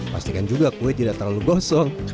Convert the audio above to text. pastikan juga kue tidak terlalu gosong